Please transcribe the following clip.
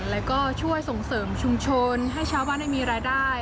แล้วก็ช่วยส่งเสริมชุมชนให้ชาวบ้านได้มีรายได้